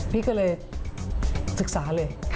พี่ก็เลยศึกษาเลย